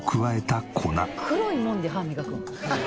黒いもんで歯磨くん？